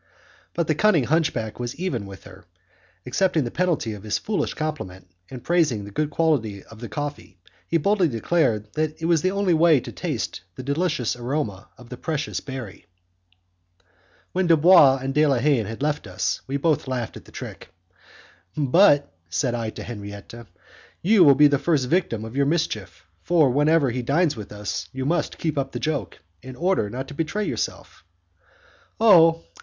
But the cunning hunchback was even with her; accepting the penalty of his foolish compliment, and praising the good quality of the coffee, he boldly declared that it was the only way to taste the delicious aroma of the precious berry. When Dubois and De la Haye had left us, we both laughed at the trick. "But," said I to Henriette, "you will be the first victim of your mischief, for whenever he dines with us, you must keep up the joke, in order not to betray yourself." "Oh!